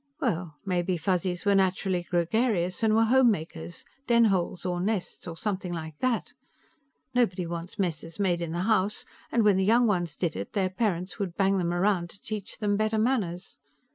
Well, maybe Fuzzies were naturally gregarious, and were homemakers den holes, or nests, or something like that. Nobody wants messes made in the house, and when the young ones did it, their parents would bang them around to teach them better manners.